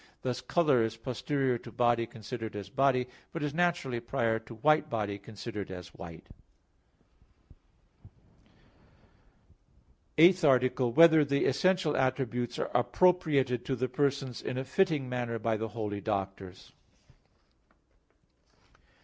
Thus color is posterior to body considered as body, but is naturally prior to "white body," considered as white. _______________________ EIGHTH ARTICLE [I, Q. 39, Art. 8] Whether the Essential Attributes Are Appropriated to the Persons in a Fitting Manner by the Holy Doctors?